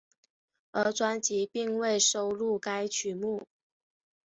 而专辑并未收录该曲目。